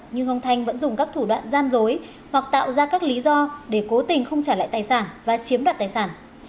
nhưng ông thanh vẫn dùng các thủ đoạn gian dối hoặc tạo ra các lý do để cố tình không trả lại tài sản và chiếm đoạt tài sản